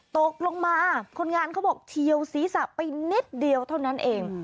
ตกลงมาคนงานเขาบอกเทียวศีรษะไปนิดเดียวเท่านั้นเอง